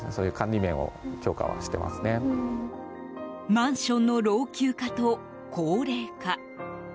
マンションの老朽化と高齢化。